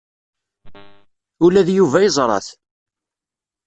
Ula d Yuba yeẓra-t.